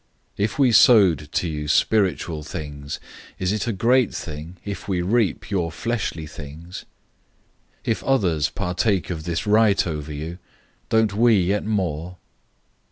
009:011 If we sowed to you spiritual things, is it a great thing if we reap your fleshly things? 009:012 If others partake of this right over you, don't we yet more?